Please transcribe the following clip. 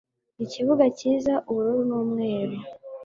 Ikibuga cyiza ubururu numweru